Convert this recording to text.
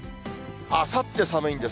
あさって寒いんです。